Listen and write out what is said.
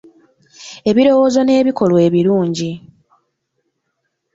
Ebirowoozo n’ebikolwa ebilungi